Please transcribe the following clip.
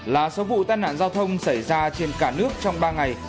chín mươi hai là số vụ tàn nạn giao thông xảy ra trên cả nước trong ba ngày